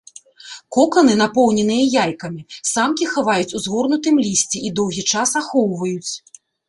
Коканы, напоўненыя яйкамі, самкі хаваюць у згорнутым лісці і доўгі час ахоўваюць.